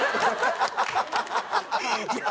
ハハハハ！